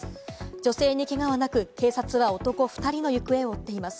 女性にけがはなく警察は男２人の行方を追っています。